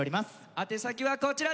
宛先はこちらです。